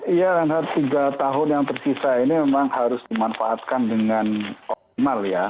iya renhard tiga tahun yang tersisa ini memang harus dimanfaatkan dengan optimal ya